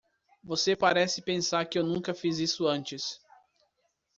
Você parece pensar que eu nunca fiz isso antes.